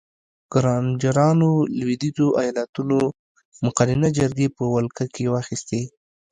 ګرانجرانو لوېدیځو ایالتونو مقننه جرګې په ولکه کې واخیستې.